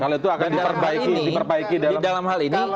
kalau itu akan diperbaiki